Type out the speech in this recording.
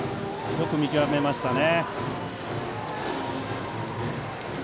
よく見極めましたね。